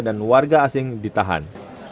dan warga asing ditahan